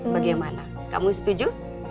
bagaimana kamu setuju